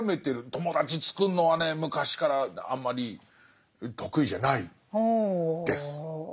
友達つくるのはね昔からあんまり得意じゃないです。